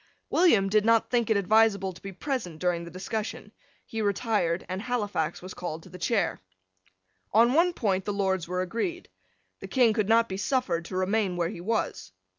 William did not think it advisable to be present during the discussion. He retired; and Halifax was called to the chair. On one point the Lords were agreed. The King could not be suffered to remain where he was.